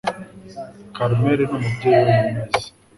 Carmen numubyeyi wenyine azi.